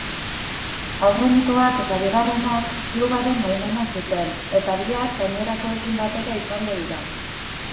Aurrenekoak eta bigarrenak klubaren baimena zuten eta bihar gainerakoekin batera izango dira.